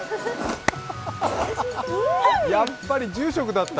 やっぱり住職だった！